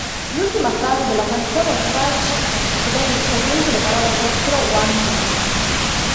L'ultima frase della canzone è "Fried chicken", sebbene inizialmente le parole fossero "One vision".